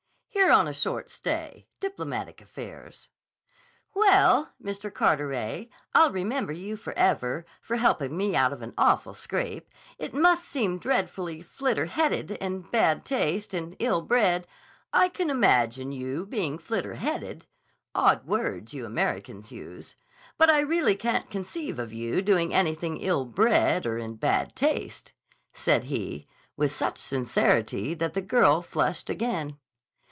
"Here on a short stay. Diplomatic affairs." "Well, Mr. Carteret, I'll remember you forever, for helping me out of an awful scrape. It must seem dreadfully flitter headed and bad taste and ill bred—" "I can imagine you being flitter headed—odd words you Americans use—but I really can't conceive of you doing anything ill bred or in bad taste," said he with such sincerity that the girl flushed again.